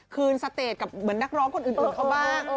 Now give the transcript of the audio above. คืนสเตตเหมือนกับนักร้องคนอื่นเขาบ้าง